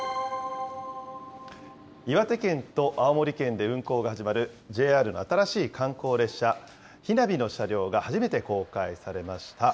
岩手県と青森県で運行が始まるＪＲの新しい観光列車、ひなびの車両が初めて公開されました。